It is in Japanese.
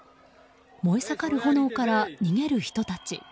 燃え盛る炎から逃げる人たち。